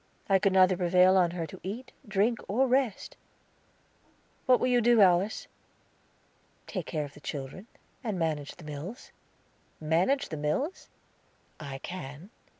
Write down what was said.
I could neither prevail on her to eat, drink, or rest." "What will you do, Alice?" "Take care of the children, and manage the mills." "Manage the mills?" "I can.